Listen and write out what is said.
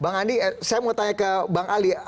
bang andi saya mau tanya ke bang ali